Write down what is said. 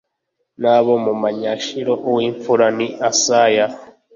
N abo mu banyashilo uw imfura ni asaya